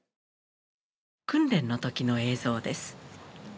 訓練の時の映像です。